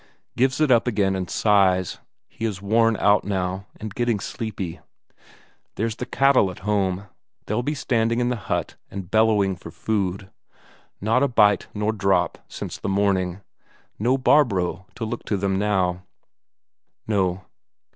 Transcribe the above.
Gives it up again and sighs; he is worn out now, and getting sleepy. There's the cattle at home, they'll be standing in the hut and bellowing for food, not a bite nor a drop since the morning; no Barbro to look to them now no.